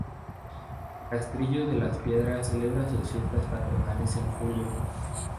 Castrillo de las Piedras celebra sus fiestas patronales en julio.